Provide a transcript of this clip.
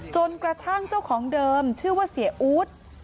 จนกระทั่งเจ้าของเดิมชื่อว่าเสียอู๊ด